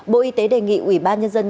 bộ y tế đề nghị ủy ban nhân dân